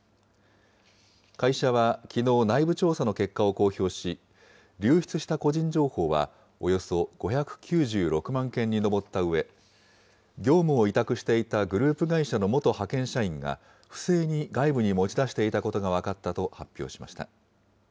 会社はきのう、内部調査の結果を公表し、流出した個人情報は、およそ５９６万件に上ったうえ、業務を委託していたグループ会社の元派遣社員が、不正に外部に持ち出していたことが分かったと発表しました。